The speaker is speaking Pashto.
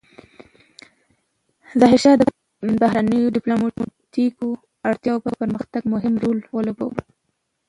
ظاهرشاه د بهرنیو ډیپلوماتیکو اړیکو په پراختیا کې مهم رول ولوباوه.